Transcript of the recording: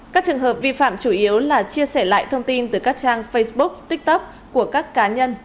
các trường hợp vi phạm chủ yếu là chia sẻ lại thông tin từ các trang facebook tiktok của các cá nhân